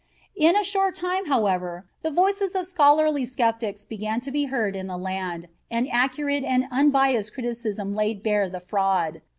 In a short time, however, the voices of scholarly skeptics began to be heard in the land, and accurate and unbiased criticism laid bare the fraud.